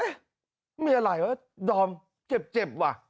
เอ๊ะมีอะไรเหรอดอมเจ็บว่ะ